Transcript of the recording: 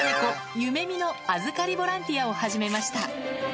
ゆめみの預かりボランティアを始めました